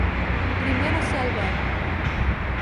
"Primer va ser el verb"